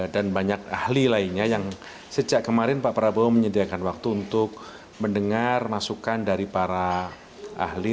dan banyak ahli lainnya yang sejak kemarin pak prabowo menyediakan waktu untuk mendengar masukan dari para ahli